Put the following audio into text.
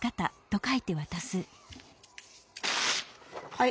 はい。